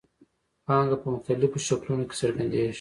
پانګه په مختلفو شکلونو کې څرګندېږي